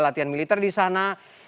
latihan militer di sana